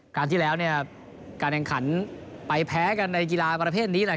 ครั้งที่แล้วการแข่งขันไปแพ้กันในกีฬาประเภทนี้